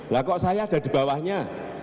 lah kok saya ada di bawahnya